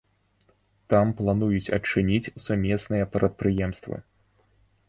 Там плануюць адчыніць сумесныя прадпрыемствы.